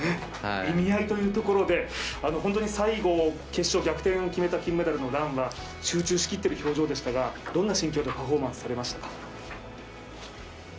意味合いというところで、本当に最後、決勝、逆転を決めた金メダルのランは集中しきってる表情でしたがどんな心境でパフォーマンスされましたか。